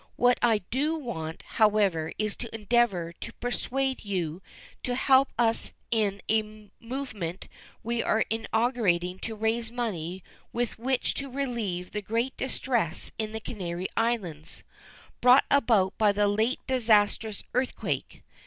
What I do want, however, is to endeavor to persuade you to help us in a movement we are inaugurating to raise money with which to relieve the great distress in the Canary Islands, brought about by the late disastrous earthquake.